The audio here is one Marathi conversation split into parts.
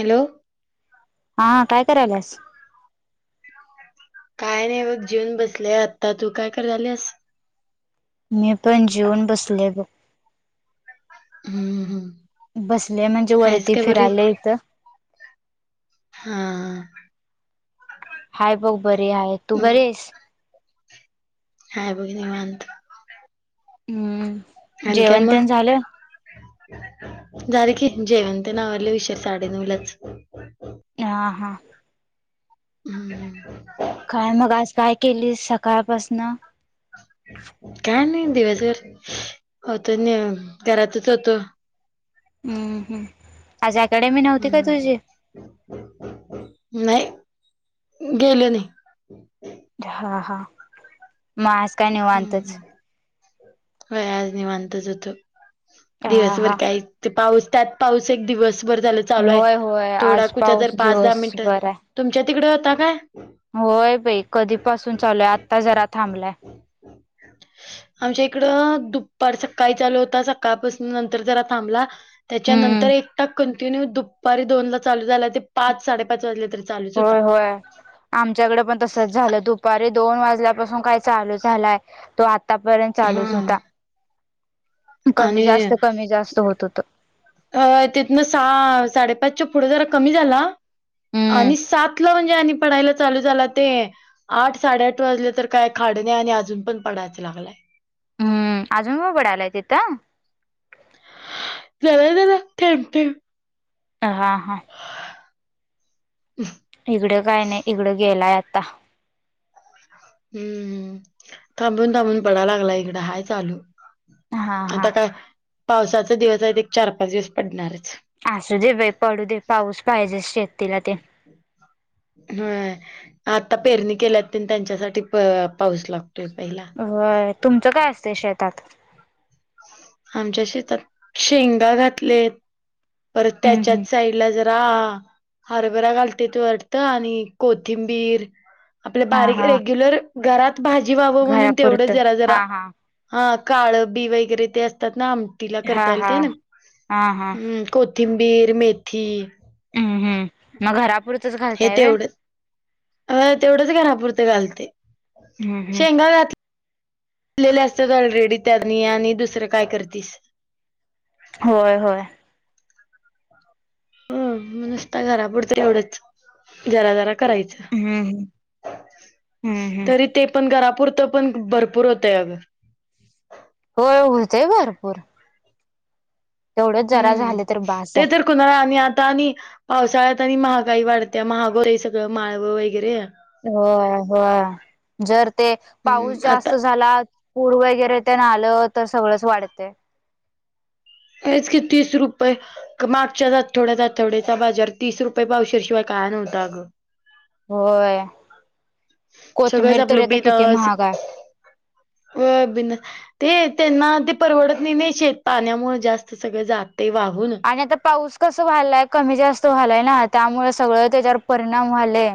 हॅलो. हा काय करायलास? काय नाही बघ जेऊन बसले. आता तू काय कराल्यास? मी पण जेवून बसले बघ. हम्म हं! बसले म्हणजे, वरती फिरायले इथं. हा हा.. हाय बघ बरी आहे. तू हम्म, बरी आहेस? हाय बघ निवांत! हम्म! आणि काय जेवण म? तेण झालं झाले की जेवन, त्यान आवरल [unintelligible] साडेनऊलाच ह हा. हम्. काय मग आज काय केली सकाळपासन? काय नाही दिवसभर, होतो निव घरातच होतो. हम्म, हम्म आज ऑक्याडमी हम, नाही गेले नाही. ह [unintelligible] हा, हा मग आज काय हम्म, निवांतच व्हय आज निवांतच होतो. हा दिवसभर हा काय? ते पाऊस त्यात पाऊस एक दिवसभर झाल- चालू आहे. होय होय थोडा आज कुठे तर पाऊस पाच दहा मिंनट, दिवसभर आहे तुमच्या तिकडे होता काय? होय बाई कधीपासून चालूय, आत्ता जरा थांबलाय. आमच्या इकडं, दुपार सकाळी चालू होता. सकाळपासून नंतर जरा थांबला. हम्म त्याच्यानंतर एकटा कंटिन्यू दुपारी दोन ला चालू झाला. ते पाच साडेपाच वाजल्या तरी चालूच होता. होय होय. आमच्याकडे पण तसच झालं. दुपारी दोन वाजल्यापासून काय चालू झालाय, तो आतापर्यंत हा चालूच होता. कमी आणि जास्त कमी जास्त होत होत. अ तिथनं सा, साडेपाचच्या पुढे जरा कमी झाला! हम्म आणि सात ला म्हणजे आणि पडायला चालू झाला. ते आठ साडेआठ वाजले तर काय खाड नाही. आणि अजून पण पडायचं लागलंय. हम्म, अजून पडा अलाय तिथं? जरा, जरा, थेंब- थेंब हा हा.. ह [inaudible] इकडें काय नाही, इकडं गेलाय आता. हम्म, थांबून थांबून पडा लागला इकडं हाय चालू. हा हा आता काय पावसाचा दिवस आहे. एक चार पाच दिवस पडणारच. असू दे बाई पडू दे, पाऊस पाहिजे शेतीला ते होय, आता पेरणी केल्या त्यांच्यासाठी पाऊस लागतोय पहिला. होय, तुमचं काय असत शेतात? आमच्या शेतात शेंगा घातले. परत हम्म हम्म त्याच्यात साईड तिला जरा, हरभरा घालते वाटत आणि कोथिंबीर आपल्या हा बारीक, हा रेग्युलर घरात भाजी व्हावं म्हणून तेवढं घरापुरतं जरा हा जरा हा. हा काळं बी वगैरे ते असतात ना आमटीला हा करता येयल हा ते ना, हा हा हम् कोथिंबीर, मेथी हम्म हम्, मग घरापुरतच हे घालताय वे? तेवढंच अ तेवढंच घरापुरंत घालते. हम्म हम्म... दिलेले असतात ऑलरेडी त्यांनी आणि दुसरं काय करतेस. होय होय... हो नुसता घरापुरत एवढंच, जरा जरा करायचं. हम्म, हम् हम्म हम्म तरी ते पण घरापुरतं पण भरपूर होतंय अगं. होय. होतेय भरपूर. तेवढच जरा झालं तर बास आहे. कुनाल आणि आता आणि पावसाळ्यात आणि महागाई वाढत्या महागो आहे सगळं माळवं वगैरे. हो हो. जर ते हम्म पाऊस आता जास्त झाला पूर वगैरे ते ना आलं तर सगळंच वाढते. हेच की तीस रुपये. मागच्याच आठवड्यात आठवड्याचा बाजार तीस रुपये पावशरशिवाय काय नव्हता अ गं. होय. सगळंच कोथमीर तरी आपलं आता किती बिनस् महाग आहे व बिन ते त्यांना ते परवडत नाही ने शेत पाण्यामुळ जास्त सगळं जाते वाहून. आणि आता पाऊस कसं व्हालाय कमी जास्त व्हालाय ना त्यामुळे सगळं त्याच्यावर परिणाम व्हालंय.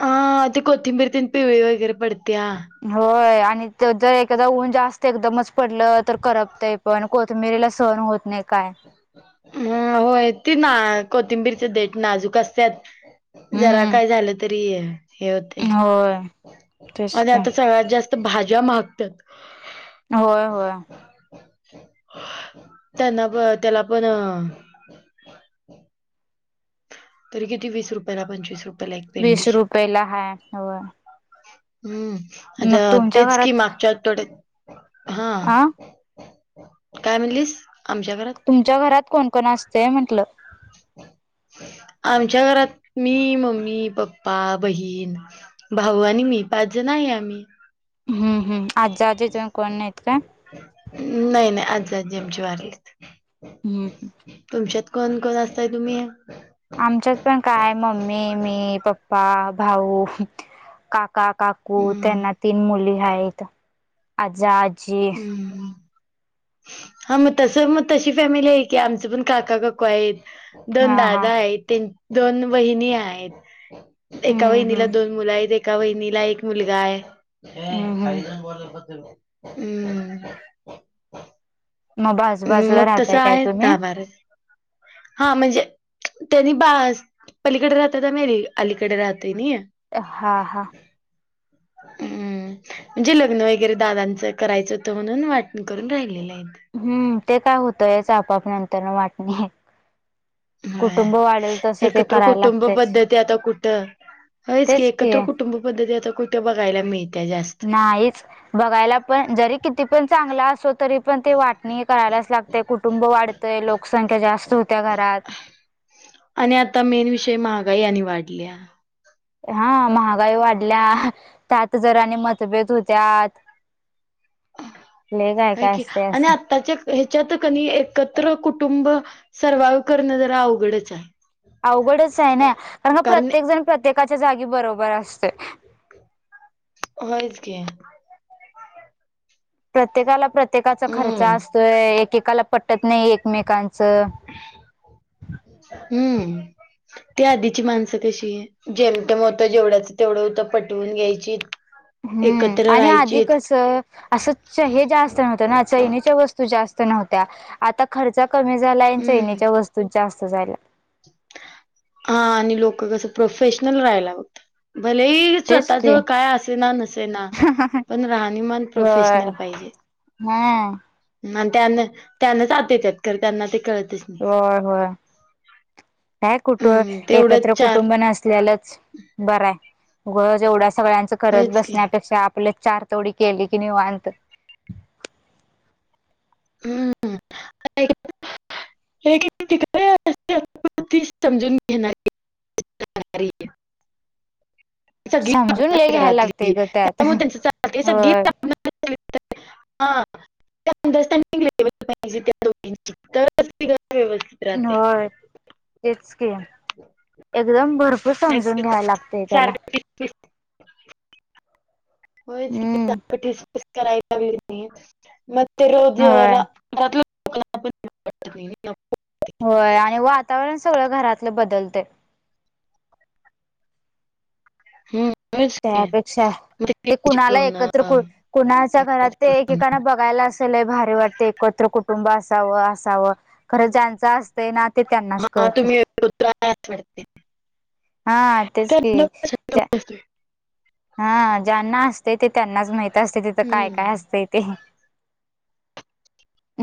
हा ते कोथिंबीर तेन पिवळी वगैरे पडते्या. होय. आणि जर एखादा ऊन जास्त एकदमच पडलं तर करपतय. पण कोथिबिरीला सहण होत नाही काय. हम होय ती ना कोथिंबीरचे देट नाजूक असत्यात. जरा हम्म काय झालं तरी हे होते. होय तेच आणि की आता सगळ्यात जास्त भाज्या महागत्यात. होय होय. त्यांना त्याला पण तर किती वीस रुपयाला पंचवीस रुप वीस रुपये ला हाय. होय. हम्म. आता मग तुमच्या तेच कि घरात मागच्या आठवडे्यात हा. आ काय म्हणलीस? आमच्या घरात तुमच्या घरात कोण कोण असतंय? म्हंटलं. [inaudible] आमच्या घरात मी, मम्मी, पप्पा, बहीण भाऊ आणि मी पाच जण आहे आम्ही. हम्म हम्म. आज आजी आजय तेन कोण नाहीत काय? नाही नाही. आजीआजा आमचे वारलेत. हम्. तुमच्यात कोण कोण असताय तुम्ही? आमच्यात पण काय मम्मी, मी, पप्पा, भाऊ, का का काकू हम्म त्यांना तीन मुली आहेत. आजा-आजी हम्म हा मग तस मग तशी फॅमिली आहे की आमचं पण काका काकू आहेत. दोन हा हा दादा आहेत. दोन वहिणी आहेत. एका हम्म वहिनीला हम्म दोन मुलं आहेत. ए एका वहिला एक मुलगा आहे. हम्म हम्म हम्. मग बाजूबाजूला मग राहताय तसं काय आहे तुम्ही दहा-बारा. हा म्हणजे? त्यानी बस पलीकडे राहताय आमी अलीकडे राहतय. हा हा हम्म. म्हणजे लग्न वगैरे दादांच करायचं होतं म्हणून वाटणी करून राहिलेलं आहे. हम्म. ते काय होतं याच आपोअप नंतर न वाटणी. होय. कुटुंब वाढेल तसं ते एकत्र करायला कुटुंब लागतयच पद्धती आता कुठं होयच की एकत्र कुटुंब पद्धती आता कुठ्या बघायला मिळत्या जास्त. नाहीत बघायला पण जरी किती पण चांगला असो तरी पण ते वाटणी करायलाच लागते कुटुंब वाढते ते लोकसंख्या जास्त होत्या घरात आणि आता मेन विषय महागाई आणि वाढली हा महागाई वाढल्या त्यात जरा आणि मतभेद होत्या लई काय हाय काय की असते आणि आत्ताच्या ह्याच्यात कनी एकत्र कुटुंब सर्वा्हाइव्ह करणं जरा अवघडच आहे अवघडच आहे ना कारण का प्रत्येक जण प्रत्येकाच्या जागी बरोबर असते होय की प्रत्येकाला प्रत्येकाचा खर्च हम्म असतोय एकेकाला पटत नाही एकमेकांच हम्म ती आधीची माणसं कशी जेमतेम होत जेवढ्याच तेवढं होतं पटवून घ्यायची हम्म एकत्र आणि आधी राहायचीत कसं असं हे जास्त नव्हतं ना चैणीच्या वस्तू जास्त नव्हत्या आता खर्च कमी झाला आणि हम्म चैनीच्या वस्तूत जास्त झाला हा आणि लोक कस प्रोफेशनल राहायला होत भले तेच स्वतः की जवळ काय असेना नसे ना पण राहणीमान होय प्रोफेशनल पाहिजे हा आणि त्यान त्यानचात त्यात कर त्यांना ते कळतेच होय होय काय कुटु हम्म तेवढंच एकत्र चार कुटुंब नसल्यालाच बर आहे उगाच एवढा सगळ्यांचं करत होयच की बसण्यापेक्षा आपल्या चार तेवढी केली की निवांत हम्म हे तिकडे अस ती समजून घेणार अरे समजून लय घ्यायला लागतेय घरातली ग त्यात. त्यामुळे त्यांचं चालते सगळी होय, हा अंडरस्टँडिंग व्हायला पाहिजे ते दोघींच्या तरच ते होय तेच की एकदम भरपूर समजून घ्यायला लागतय त्याला एक वेळेस हे हम्म सारख तीस पीस करण्यापेक्षा च्या ऐवजी होय ण होय आणि वातावरण सगळं घरातलं बदलते हम्म होयच की. त्यापेक्षा मग ते कुणाला चिडचिडून, एकत्र अं, कुणाच्या घरात ते एकेकाना बघायला अस लय भारी वाटते एकत्र कुटुंब असावं असावं. खरं ज्यांच असतयन,, ते त्यांनाच हा कळतय. तुम्ही एकत्र आहे असं वाटते हा तेच त्यांना कि. कसं समजतंय? हा ज्यांना असतय ते त्यांनाच माहित असतय तिथं काय हम्म. काय असतय. ते.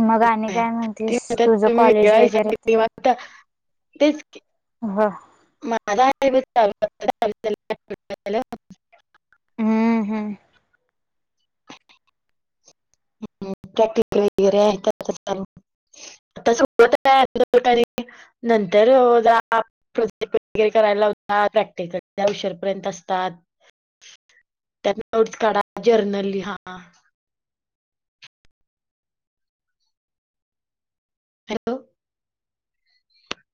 मग आणि काय ती म्हणतीस? म्हणतात तुझ तुम्ही कॉलेज वेगळा वगैरे विचार तर केला मागता तेच की, हो [unintelligible] झालं. हम्म हम्म. [unintelligible] [unintelligible] प्रोजेक्ट वगैरे करायला लावतात, प्रॅक्टिकल [unintelligible] उशीर पर्यंत असतात. त्या नोटस काढा, जर्नल लिहा. हॅलो.